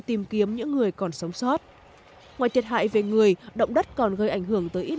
tìm kiếm những người còn sống sót ngoài thiệt hại về người động đất còn gây ảnh hưởng tới ít